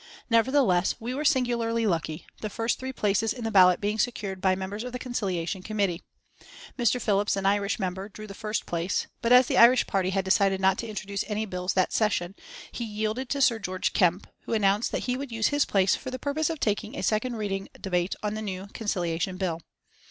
Nevertheless, we were singularly lucky, the first three places in the ballot being secured by members of the Conciliation Committee. Mr. Philips, an Irish member, drew the first place, but as the Irish party had decided not to introduce any bills that session, he yielded to Sir George Kemp, who announced that he would use his place for the purpose of taking a second reading debate on the new Conciliation Bill.